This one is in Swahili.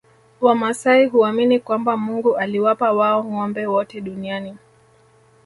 Wamasai huamini kwamba Mungu aliwapa wao ngombe wote duniani